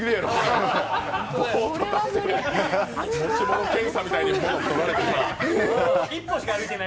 持ち物検査みたいにもの取られて。